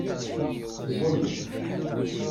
Teẓẓullemt.